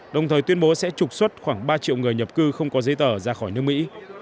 đồng thời tuyên bố sẽ trục xuất khoảng ba triệu người nhập cư không có giấy tờ ra khỏi nước mỹ